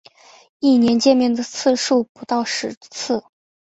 一年见面的次数不到十次